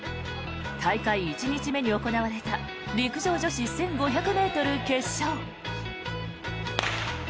大会１日目に行われた陸上女子１５００ｍ決勝。